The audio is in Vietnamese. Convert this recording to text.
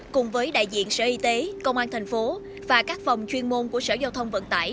cùng với đại diện sở y tế công an thành phố và các phòng chuyên môn của sở giao thông vận tải